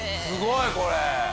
すごい！これ。